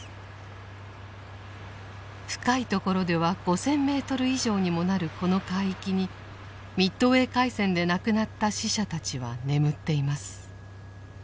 深いところでは５０００メートル以上にもなるこの海域にミッドウェー海戦で亡くなった死者たちは眠っています。